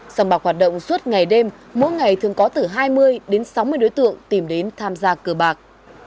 sòng bạc hoạt động suốt ngày đêm mỗi ngày thường có từ hai mươi đến sáu mươi đối tượng tìm đến tham gia cờ bạc